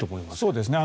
そうですね。